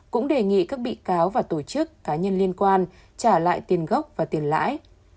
cũng đề nghị các bị cáo và tổ chức cá nhân liên quan trả lại tiền gốc và tiền lãi